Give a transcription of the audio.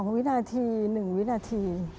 วินาที๑วินาที